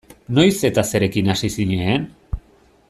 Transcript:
Noiz eta zerekin hasi zinen?